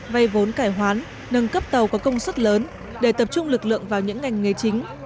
vay vốn cải hoán nâng cấp tàu có công suất lớn để tập trung lực lượng vào những ngành nghề chính